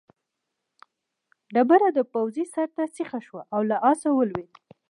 ډبره د پوځي سر ته سیخه شوه او له آسه ولوېد.